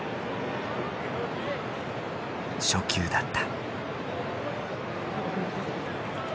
初球だった。